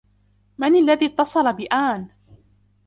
من الذي اتصل بآن.